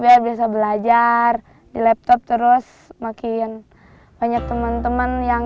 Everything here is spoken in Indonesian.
biar bisa belajar di laptop terus makin banyak teman teman yang